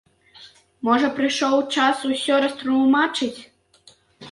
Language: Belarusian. Можа, прыйшоў час усё растлумачыць?